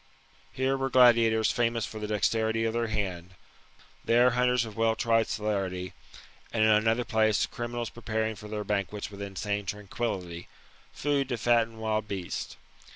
Here were gladiators famous for the dexterity of their hand ; there hunters of well tried celerity ; and in another place, criminals preparing for their banquets with insane tranquility, food to fatten wild beasts.